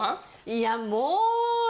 いやもう。